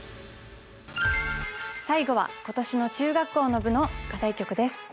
最後は今年の中学校の部の課題曲です。